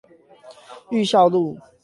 裕孝路